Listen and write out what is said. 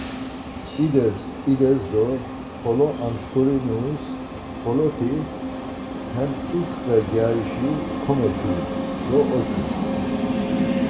İdes ides do xolo amşkorinuis xoloti hem mtzutxe gyarişi komeçu do oçu.